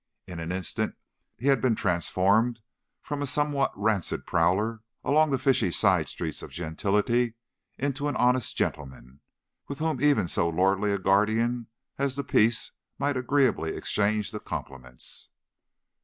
In an instant he had been transformed from a somewhat rancid prowler along the fishy side streets of gentility into an honest gentleman, with whom even so lordly a guardian of the peace might agreeably exchange the compliments.